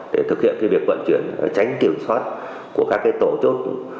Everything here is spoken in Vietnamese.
để thực hiện việc vận chuyển tránh kiểm soát của các tổ chốt